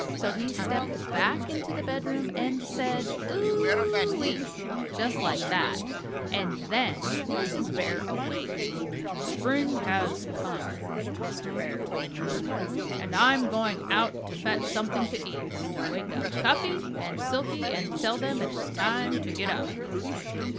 So he stepped back into the bedroom and said "Ou e e ee!" Just like that. And then Mrs. Bear awaked. "Spring has come," Mr. Bear told her, "and I am going out to fetch something to eat. Wake up Cuffy and Silkie and tell them that it is time to get up."